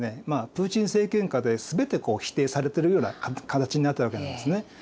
プーチン政権下で全て否定されてるような形になったわけなんですね。